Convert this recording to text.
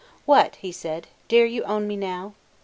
"What," he said, "dare you own me now?"